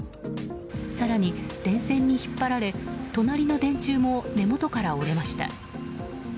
更に電線に引っ張られ隣の電柱も根元から折れました。